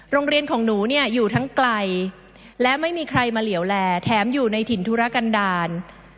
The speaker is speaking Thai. โรงเรียนของหนูเนี่ยอยู่ทั้งไกลและไม่มีใครมาเหลี่ยวแลแถมอยู่ในถิ่นธุรกันดาล